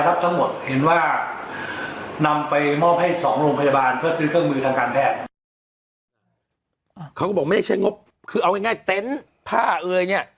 ขอบอกไม่ใช่งบคือเอาง่ายง่ายเต็นต์ผ้าไรเงี้ย